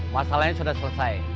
masalahnya sudah selesai